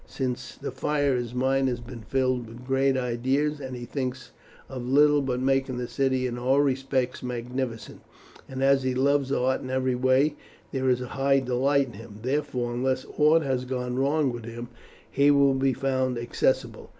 Since the fire his mind has been filled with great ideas, and he thinks of little but making the city in all respects magnificent, and as he loves art in every way this is a high delight to him; therefore, unless aught has gone wrong with him, he will be found accessible.